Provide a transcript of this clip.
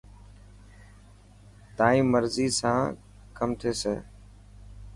تيان مرضي سان ڪم ٿيسي.